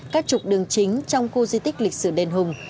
các trục đường chính trong khu di tích lịch sử đền hùng